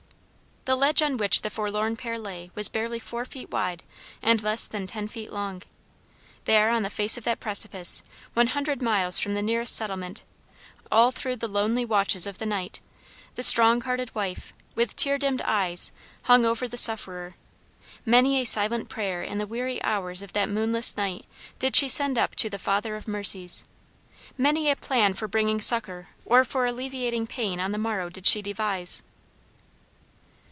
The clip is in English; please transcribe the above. The ledge on which the forlorn pair lay was barely four feet wide and less than ten feet long. There, on the face of that precipice, one hundred miles from the nearest settlement, all through the lonely watches of the night, the strong hearted wife, with tear dimmed eyes, hung over the sufferer. Many a silent prayer in the weary hours of that moonless night did she send up to the Father of mercies. Many a plan for bringing succor or for alleviating pain on the morrow did she devise.